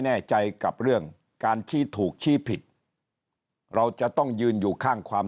แน่ใจกับเรื่องการชี้ถูกชี้ผิดเราจะต้องยืนอยู่ข้างความ